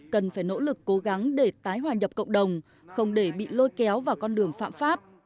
cần phải nỗ lực cố gắng để tái hoàn nhập